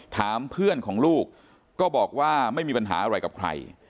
ถามเพื่อนของลูกก็บอกว่าไม่มีปัญหาอะไรกับใคร